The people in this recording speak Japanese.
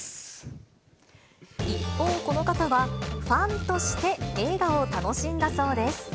一方、この方は、ファンとして映画を楽しんだそうです。